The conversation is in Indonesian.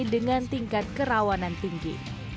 dengan tingkat kerawanan tinggi